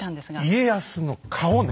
家康の顔ね。